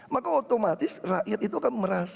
maka otomatis rakyat itu akan merasa